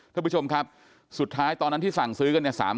ท่านผู้ชมครับสุดท้ายตอนนั้นที่สั่งซื้อกันเนี่ย